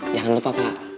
jangan lupa pak